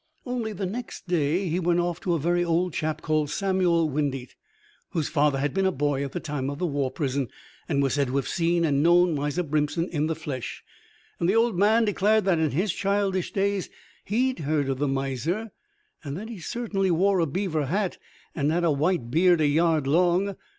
Only, the next day, he went off to a very old chap called Samuel Windeatt, whose father had been a boy at the time of the War Prison, and was said to have seen and known Miser Brimpson in the flesh. And the old man declared that, in his childish days, he'd heard of the miser, and that he certainly wore a beaver hat and had a white beard a yard long.